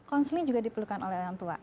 counseling juga diperlukan oleh orang tua